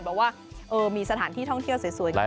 บอกว่ามีสถานที่ท่องเที่ยวสวย